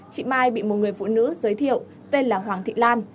chị mai bị một người phụ nữ giới thiệu tên là hoàng thị lan